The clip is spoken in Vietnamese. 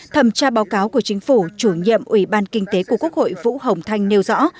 thẩm tra báo cáo của chính phủ chủ nhiệm ủy ban kinh tế của quốc hội vũ hồng thanh nêu rõ